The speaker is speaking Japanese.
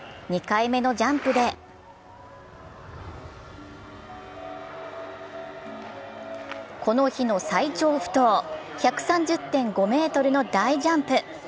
２回目のジャンプでこの日の最長不倒１３０．５ｍの大ジャンプ。